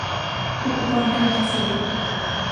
อุปกรณ์การเกษตร